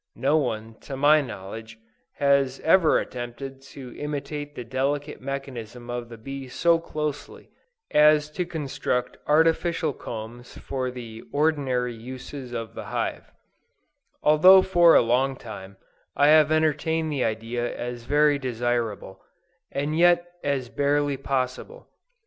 No one, to my knowledge, has ever attempted to imitate the delicate mechanism of the bee so closely, as to construct artificial combs for the ordinary uses of the hive; although for a long time I have entertained the idea as very desirable, and yet as barely possible.